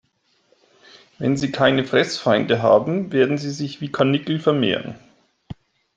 Wenn sie keine Fressfeinde haben, werden sie sich wie die Karnickel vermehren.